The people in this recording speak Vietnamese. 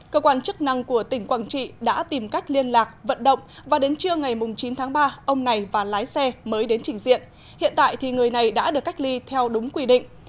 cơ quan chức năng của tỉnh quảng trị đã tìm cách liên lạc vận động và đến trưa ngày chín tháng ba ông này và lái xe mới đến trình diện hiện tại thì người này đã được cách ly theo đúng quy định